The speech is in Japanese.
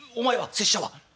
「拙者は」。